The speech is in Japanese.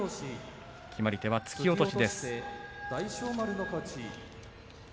決まり手は突き落としです。